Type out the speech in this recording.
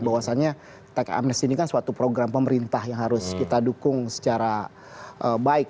bahwasannya teks amnesty ini kan suatu program pemerintah yang harus kita dukung secara baik